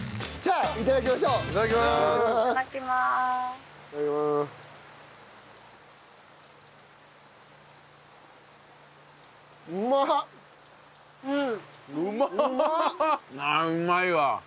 ああうまいわ！